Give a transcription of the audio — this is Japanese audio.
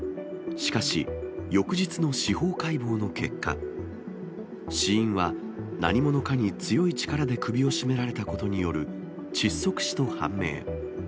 しかし、翌日の司法解剖の結果、死因は何者かに強い力で首を絞められたことによる窒息死と判明。